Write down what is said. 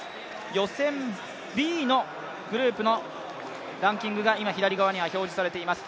予選Ｂのグループのランキングが今、左側に表示されています。